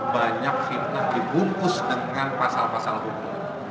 banyak fitnah dibungkus dengan pasal pasal hukum